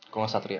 kok lo satri ya